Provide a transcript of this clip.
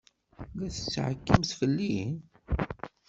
La tettɛekkimt fell-i?